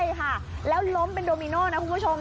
ใช่ค่ะแล้วล้มเป็นโดมิโน่นะคุณผู้ชม